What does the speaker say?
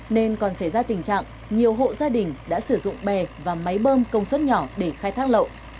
nên còn xảy ra tình trạng nhiều hộ gia đình đã sử dụng bè và máy bơm công suất nhỏ để khai thác lậu